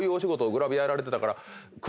グラビアやられてたから。